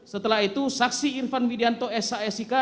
setelah itu saksi irvan widianto sik